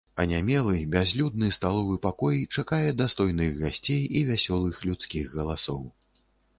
Анямелы, бязлюдны сталовы пакой чакае дастойных гасцей і вясёлых людскіх галасоў.